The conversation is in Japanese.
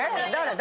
誰？